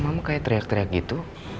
mama kayak teriak teriak gitu